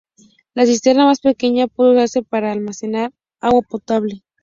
La cisterna más pequeña pudo usarse para almacenar agua potable.